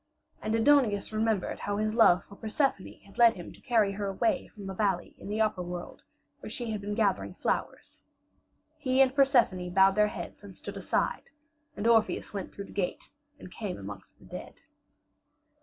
And Aidoneus remembered how his love for Persephone had led him to carry her away from the valley in the upper world where she had been gathering flowers. He and Persephone bowed their heads and stood aside, and Orpheus went through the gate and came amongst the dead.